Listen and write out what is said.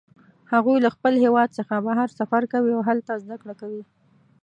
هغوی له خپل هیواد څخه بهر سفر کوي او هلته زده کړه کوي